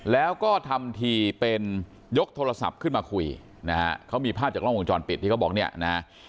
แล้วก็ทำทีเป็นยกโทรศัพท์ขึ้นมาคุยนะฮะเขามีภาพจากกล้องวงจรปิดที่เขาบอกเนี่ยนะฮะ